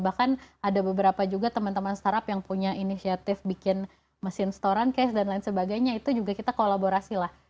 bahkan ada beberapa juga teman teman startup yang punya inisiatif bikin mesin setoran case dan lain sebagainya itu juga kita kolaborasi lah